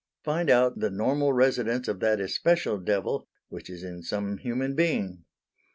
Find out the normal residence of that especial devil which is in some human being.